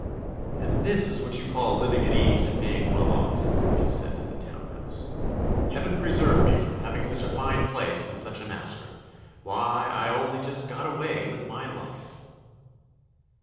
"And this is what you call living at ease and being well off," she said to the Town Mouse. "Heaven preserve me from having such a fine place and such a master! Why, I only just got away with my life!"